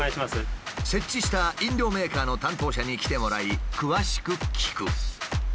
設置した飲料メーカーの担当者に来てもらい詳しく聞く。